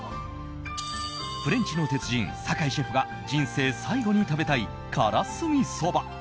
フレンチの鉄人・坂井シェフが人生最後に食べたいからすみそば。